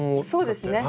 そうですね。